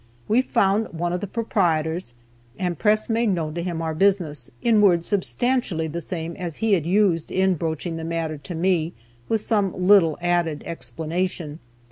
We found one of the proprietors, and Press made known to him our business, in words substantially the same as he had used in broaching the matter to me, with some little additional explanation.